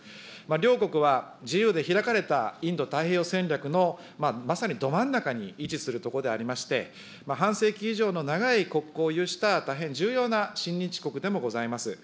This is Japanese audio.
両国は、自由で開かれたインド太平洋戦略の、まさにど真ん中に位置するとこでありまして、半世紀以上の長い国交を有した、大変重要な親日国でもございます。